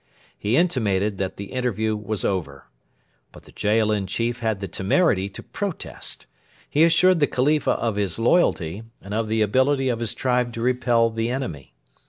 He intimated that the interview was over. But the Jaalin chief had the temerity to protest. He assured the Khalifa of his loyalty, and of the ability of his tribe to repel the enemy.